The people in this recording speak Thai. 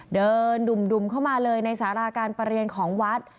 เดินดุ่มเข้ามาเลยในสาราการประเรียนของวัด